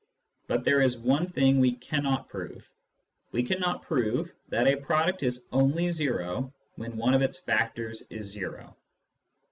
But there is one thing we cannot prove : we cannot prove that a product is only zero when one of its factors is zero.